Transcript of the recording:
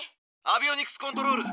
アビオニクスコントロール。